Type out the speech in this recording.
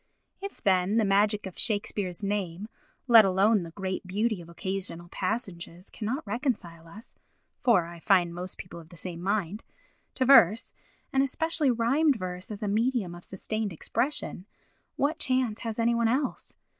If, then, the magic of Shakespeare's name, let alone the great beauty of occasional passages, cannot reconcile us (for I find most people of the same mind) to verse, and especially rhymed verse as a medium of sustained expression, what chance has any one else?